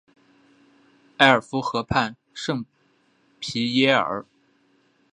埃尔夫河畔圣皮耶尔。